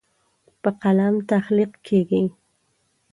په قلم تخلیق کیږي.